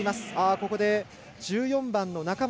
ここで１４番の中町